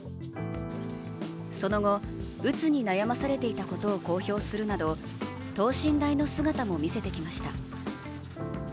その後、うつに悩まされていたことを公表するなど、等身大の姿も見せてきました。